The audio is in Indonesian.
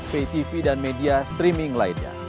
ptv dan media streaming lainnya